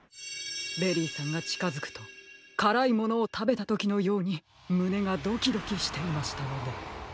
ベリーさんがちかづくとからいものをたべたときのようにむねがドキドキしていましたので。